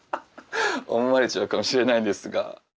思われちゃうかもしれないんですが。